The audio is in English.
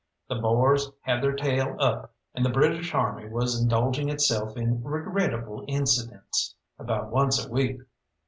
The Boers had their tail up, and the British Army was indulging itself in "regrettable incidents" about once a week.